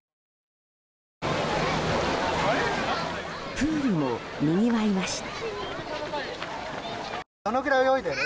プールもにぎわいました。